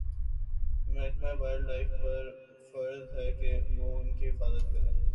محکمہ wildlife پر فرض ہے کہ وہ ان کی حفاظت کریں